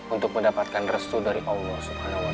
untuk mendapatkan restu dari allah swt